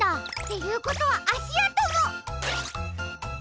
ていうことはあしあとも！